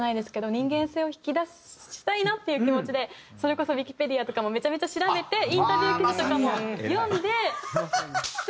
人間性を引き出したいなっていう気持ちでそれこそウィキペディアとかもめちゃめちゃ調べてインタビュー記事とかも読んで質問させていただくんですけど。